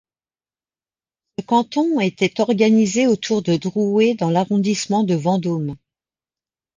Ce canton était organisé autour de Droué dans l'arrondissement de Vendôme.